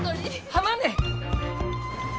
浜ね？